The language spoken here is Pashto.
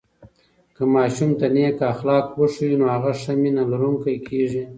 که ماشوم ته نیک اخلاق وښیو، نو هغه ښه مینه لرونکی کېږي.